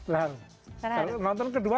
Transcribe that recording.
terharu nonton kedua